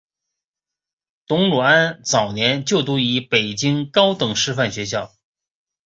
董鲁安早年就读于北京高等师范学校。